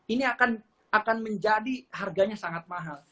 ini akan menjadi harganya sangat mahal